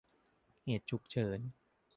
เหตุฉุกเฉิน